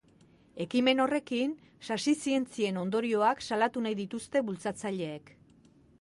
Ekimen horrekin, sasi zientzien ondorioak salatu nahi dituzte bultzatzaileek.